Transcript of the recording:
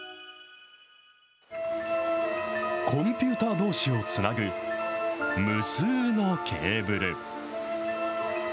コンピューターどうしをつなぐ無数のケーブル。